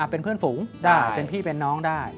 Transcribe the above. เป็นเพื่อนฝูงได้เป็นพี่เป็นน้องได้